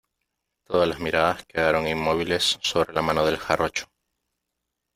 todas las miradas quedaron inmóviles sobre la mano del jarocho .